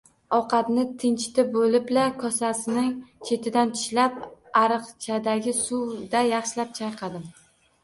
Ovqatni tinchitib bo‘lib-la, kosaning chetidan tishlab, ariqchadagi suvda yaxshilab chayqadim